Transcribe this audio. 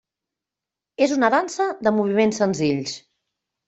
És una dansa de moviments senzills.